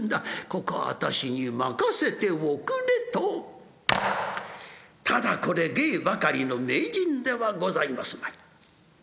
ここは私に任せておくれ」とただこれ芸ばかりの名人ではございますまい。